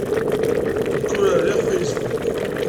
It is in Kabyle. Nekk ur riɣ Facebook.